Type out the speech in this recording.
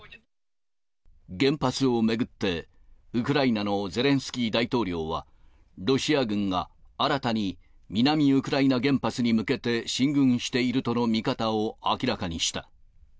原発を巡って、ウクライナのゼレンスキー大統領は、ロシア軍が新たに、南ウクライナ原発に向けて、進軍しているとの見方を明らかにした。